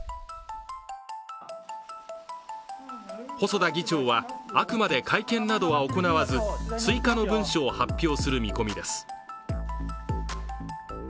細田議長はあくまで会見などは行わず追加の文書を発表する見込みです。